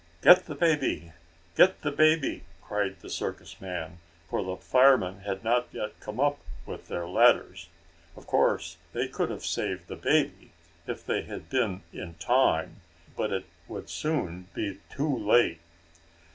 "Get the baby! Get the baby!" cried the circus man, for the firemen had not yet come up with their ladders. Of course they could have saved the baby, if they had been in time. But it would soon be too late.